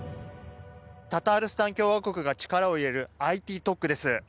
タタールスタン共和国が力を入れるＩＴ特区です。